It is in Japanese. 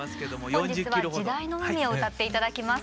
本日は「時代の海」を歌って頂きます。